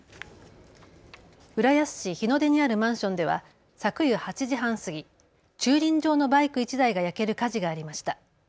浦安市日の出にあるマンションでは昨夜８時半過ぎ、駐輪場のバイク１台が焼ける火事がありました。